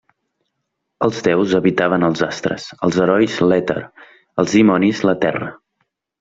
Els déus habitaven els astres, els herois l'èter, els dimonis la terra.